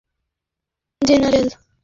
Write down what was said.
হীরকখণ্ডটা, general!